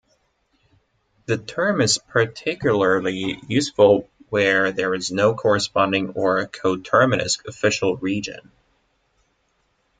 The term is particularly useful where there is no corresponding or coterminous official region.